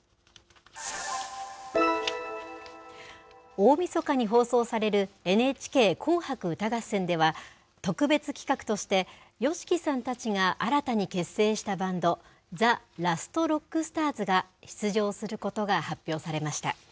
大みそかに放送されるＮＨＫ紅白歌合戦では、特別企画として、ＹＯＳＨＩＫＩさんたちが新たに結成したバンド、ＴＨＥＬＡＳＴＲＯＣＫＳＴＡＲＳが出場することが発表されました。